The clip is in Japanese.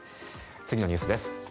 次のニュースです。